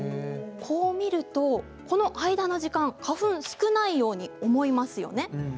こう見ると、この間の時間花粉が少ないように思いますよね。